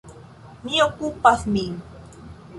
Mi okupas min.